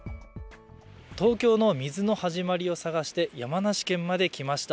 東京の水の始まりを探して山梨県まで来ました。